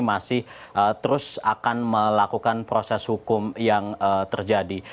masih terus akan melakukan proses hukum yang terjadi